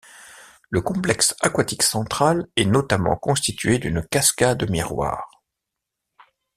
Le complexe aquatique central est notamment constitué d'une cascade miroir.